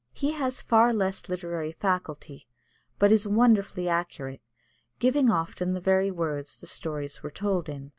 He has far less literary faculty, but is wonderfully accurate, giving often the very words the stories were told in.